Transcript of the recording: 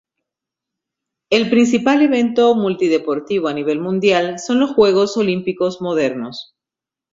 El principal evento multideportivo a nivel mundial son los Juegos Olímpicos modernos.